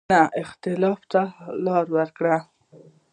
نه اختلاف ته لار ورکوي.